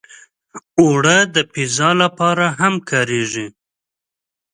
اوړه د پیزا لپاره هم کارېږي